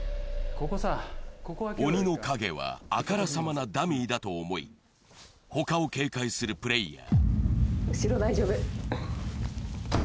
鬼の影はあからさまなダミーだと思い他を警戒するプレイヤー。